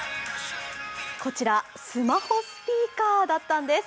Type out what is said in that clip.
こちら、スマホスピーカーだったんです。